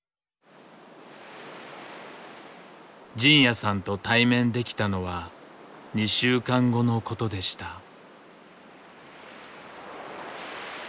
仁也さんと対面できたのは２週間後のことでした。